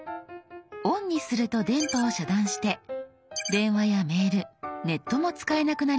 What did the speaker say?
「ＯＮ」にすると電波を遮断して電話やメールネットも使えなくなります。